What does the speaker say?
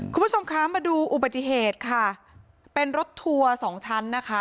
คุณผู้ชมคะมาดูอุบัติเหตุค่ะเป็นรถทัวร์สองชั้นนะคะ